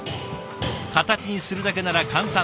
形にするだけなら簡単。